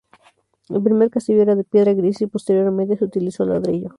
El primer castillo era de piedra gris y posteriormente se utilizó ladrillo.